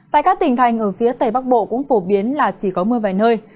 tại các tỉnh thành ở phía tây bắc bộ cũng phổ biến là chỉ có mưa vài nơi